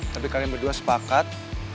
tapi kalian berdua sepakat